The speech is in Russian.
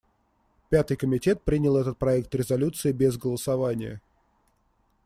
Пятый комитет принял этот проект резолюции без голосования.